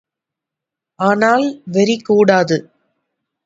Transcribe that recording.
ஆனால் வெறி கூடாது.